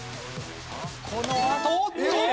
このあと。